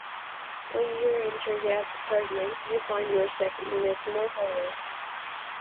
When you enter the apartment, you find yourself in a small hallway.